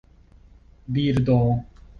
birdo